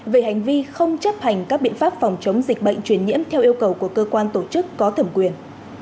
về hành vi không chấp hành các biện pháp phòng chống dịch bệnh truyền nhiễm theo yêu cầu của cơ quan tổ chức có thẩm quyền